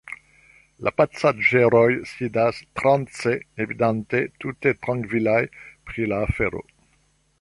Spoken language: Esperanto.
La pasaĝeroj sidas trance, evidente tute trankvilaj pri la afero.